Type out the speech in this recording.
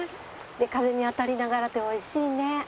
風に当たりながらっておいしいね。